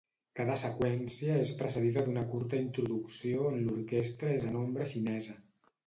Cada seqüència és precedida d'una curta introducció on l'orquestra és en ombra xinesa.